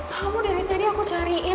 kamu dari tadi aku cariin